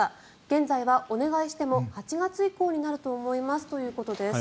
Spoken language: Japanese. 現在はお願いしても８月以降になると思いますということです。